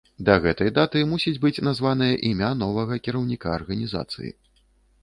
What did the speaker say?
Да гэтай даты мусіць быць названае імя новага кіраўніка арганізацыі.